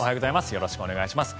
よろしくお願いします。